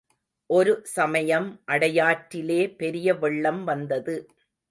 ஒரு சமயம் அடையாற்றிலே பெரிய வெள்ளம் வந்தது.